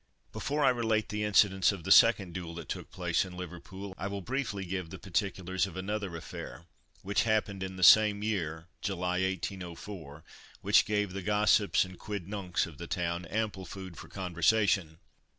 Before I relate the incidents of the second duel that took place in Liverpool, I will briefly give the particulars of another affair, which happened in the same year (July, 1804), which gave the gossips and quid nuncs of the town ample food for conversation.